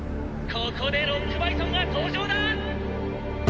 「ここでロックバイソンが登場だ！！」